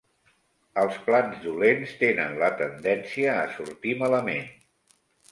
Els plans dolents tenen la tendència a sortir malament.